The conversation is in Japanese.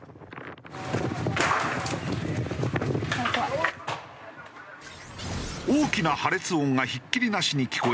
大きな破裂音がひっきりなしに聞こえてくる。